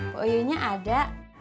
pak uyuynya ada